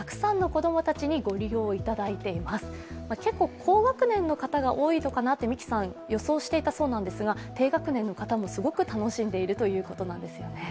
高学年の方が多いのかなと三木さん、予想していたようですが、低学年の方もすごく楽しんでいるということなんですよね。